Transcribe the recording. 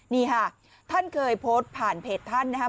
นี่ค่ะท่านเคยโพสต์ผ่านเพจท่านนะครับ